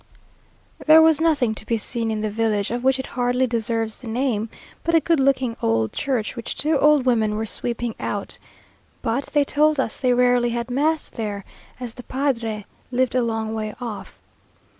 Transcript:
There was nothing to be seen in the village, of which it hardly deserves the name, but a good looking old church, which two old women were sweeping out; but they told us they rarely had mass there, as the padre lived a long way off.